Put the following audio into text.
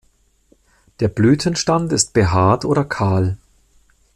Der Blütenstand ist behaart oder kahl.